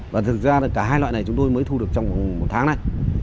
và thực ra là cả hai loại này chúng tôi mới thu được trong vòng một tháng này